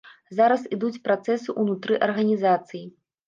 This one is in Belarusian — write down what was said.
Зараз ідуць працэсы ўнутры арганізацый.